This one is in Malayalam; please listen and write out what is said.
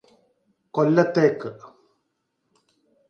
കൊല്ലത്തേക്ക്